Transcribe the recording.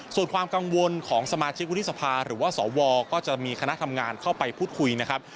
ส่วนความกังวลของสมาชิกวุฒิสภาหรือว่าสวก็จะมีคณะทำงานเข้าไปพูดคุยนะครับ